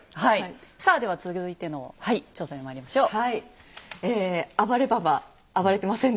さあでは続いての調査にまいりましょう。